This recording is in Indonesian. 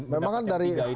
memang kan dari